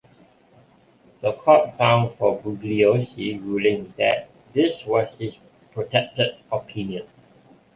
The court found for Bugliosi, ruling that this was his protected opinion.